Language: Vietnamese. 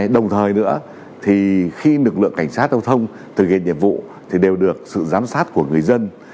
đồng thời nữa thì khi lực lượng cảnh sát giao thông thực hiện nhiệm vụ thì đều được sự giám sát của người dân